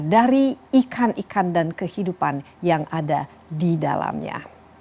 dari ikan ikan dan kehidupan yang ada di dalamnya